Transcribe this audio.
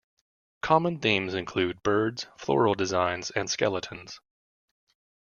Common themes include birds, floral designs, and skeletons.